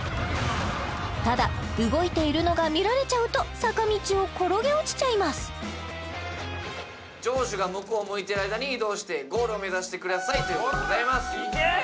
ただ動いているのが見られちゃうと坂道を転げ落ちちゃいます城主が向こうを向いてる間に移動してゴールを目指してくださいということでございますいけー！